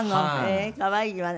可愛いわね。